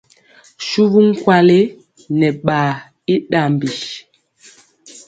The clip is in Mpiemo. Suvu nkwali nɛ ɓaa i ɗambi.